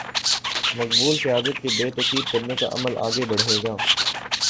مقبول قیادت کو بے توقیر کرنے کا عمل آگے بڑھے گا۔